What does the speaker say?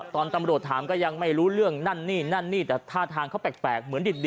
ตอนตำรวจถามก็ยังไม่รู้เรื่องนั่นนี่นั่นนี่แต่ท่าทางเขาแปลกเหมือนดิ